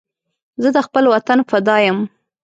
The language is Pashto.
زه د خپل وطن فدا یم